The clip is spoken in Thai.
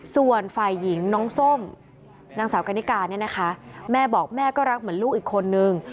ส่วนฝ่ายหญิงน้องส้มนางสาวกันนิกาเนี่ยนะคะแม่บอกแม่ก็รักเหมือนลูกอีกคนนึง